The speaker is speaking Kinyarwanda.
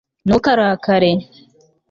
ntukarakare